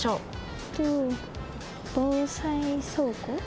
えっと防災倉庫？